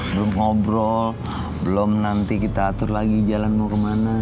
belum ngobrol belum nanti kita atur lagi jalan mau kemana